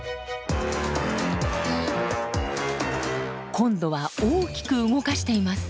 今度は大きく動かしています。